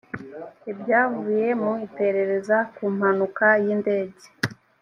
ibyavuye mu iperereza ku mpanuka y indege